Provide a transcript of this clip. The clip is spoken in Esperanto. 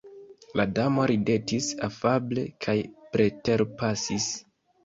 La Damo ridetis afable kaj preterpasis!